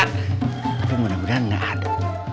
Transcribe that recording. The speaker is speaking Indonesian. tapi mudah mudahan tidak ada